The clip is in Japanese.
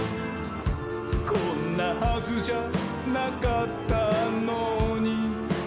「こんなはずじゃなかったのに」